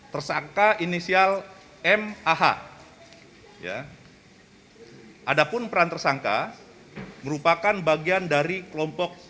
tersangka inisial mh ya adapun peran tersangka merupakan bagian dari kelompok